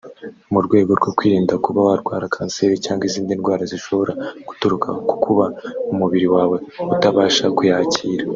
mu rwego rwo kwirinda kuba warwara kanseri cyangwa izindi ndwara zishobora guturuka ku kuba umubiri wawe utabasha kuyakira